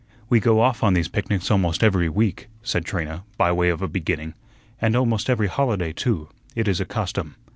"We go off on these picnics almost every week," said Trina, by way of a beginning, "and almost every holiday, too. It is a custom."